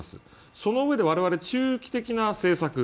そのうえで我々、中期的な政策